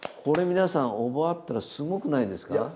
これ皆さん覚えたらすごくないですか？